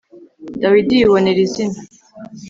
Dawidi yibonera izina